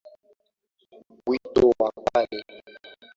Wito wa kale.